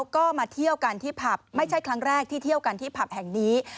ก็มาเที่ยวกันที่ผับไม่ใช่ครั้งแรกที่เที่ยวกันที่ผับแห่งนี้